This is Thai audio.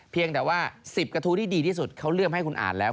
เพียงแต่ว่า๑๐กระทู้ที่ดีที่สุดเขาเลือกให้คุณอ่านแล้ว